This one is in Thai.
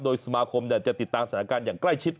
โดยสมาคมจะติดตามสถานการณ์อย่างใกล้ชิด